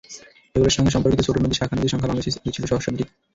এগুলোর সঙ্গে সম্পর্কিত ছোট নদী, শাখা নদীর সংখ্যা বাংলাদেশে আগে ছিল সহস্রাধিক।